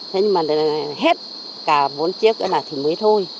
thế nhưng mà hết cả bốn chiếc nữa là thì mới thôi